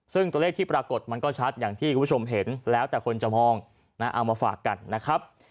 ซึ่งตัวเลขที่ปรากฏมันก็ชัดอย่างที่คุณผู้ชมเห็นแล้วแต่คนจะมองนะเอามาฝากกันนะครับ